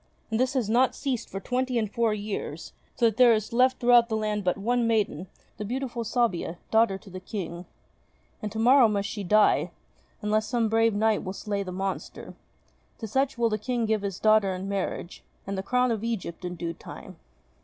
And this has not ceased for twenty and four years, so that there is left throughout the land but one maiden, the beautiful Sabia, daughter to the King. And to morrow must she die, unless some brave knight will slay the monster. To such will the King give his daughter in marriage, and the crown of Egypt in due time."